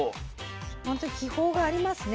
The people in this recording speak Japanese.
本当に気泡がありますね